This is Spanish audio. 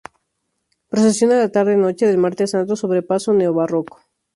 Procesiona la tarde-noche del Martes Santo sobre paso neobarroco.